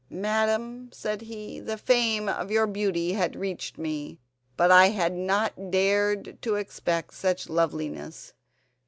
"Madam," said he, "the fame of your beauty had reached me, but I had not dared to expect such loveliness.